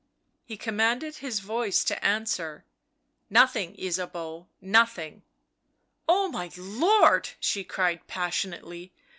He commanded his voice to answer. " Nothing, Ysabeau — nothing." " Oh, my lord !" she cried passionately.